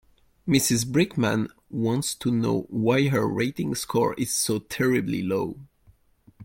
Mrs Brickman wants to know why her rating score is so terribly low.